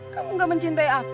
kamu gak mencintaiku departed